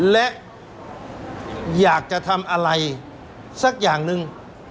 และอยากจะทำอะไรสักอย่างหนึ่ง